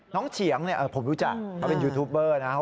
น้องเฉียงผมรู้จักเขาเป็นยูทูบเบอร์นะ